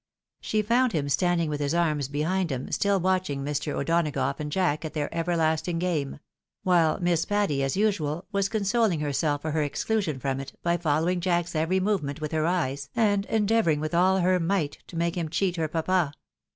She found him standing with his arms behind him, still watching Mr. O'Dona gough and Jack at their everlasting game ; while Miss Patty, as usual, was consoling herself for her exclusion from it, by fol lowing Jack's every movement with her eyes, and endeavouring with all her might to make him cheat her papa.